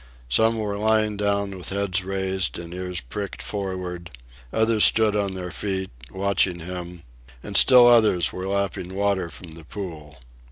Some were lying down with heads raised and ears pricked forward; others stood on their feet, watching him; and still others were lapping water from the pool.